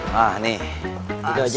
nah nih as